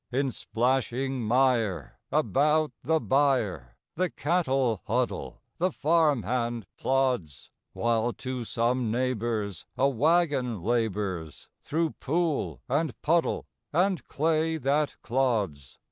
In splashing mire about the byre The cattle huddle, the farm hand plods; While to some neighbor's a wagon labors Through pool and puddle and clay that clods.